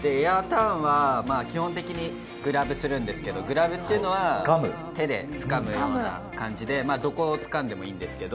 エアターンはグラブするんですけれど、グラブというのは、手でつかむような感じで、どこをつかんでもいいです。